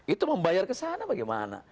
itu membayar ke sana bagaimana